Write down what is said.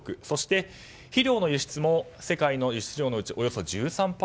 そして肥料の輸出も世界の輸出量のうちおよそ１３％。